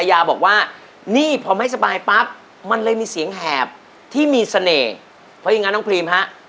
อย่าบอกว่านี่พอไม่สบายปับมันเลยมีเสียงแหบที่มีเสน่ห์จังครูป่ะ